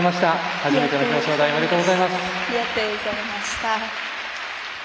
初めての表彰台ありがとうございました。